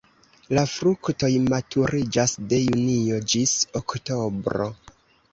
La fruktoj maturiĝas de junio ĝis oktobro.